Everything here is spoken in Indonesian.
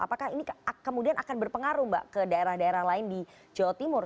apakah ini kemudian akan berpengaruh mbak ke daerah daerah lain di jawa timur